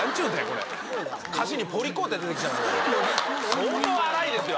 相当荒いですよ